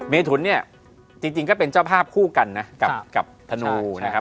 เมถุนเนี่ยจริงก็เป็นเจ้าภาพคู่กันนะกับธนูนะครับ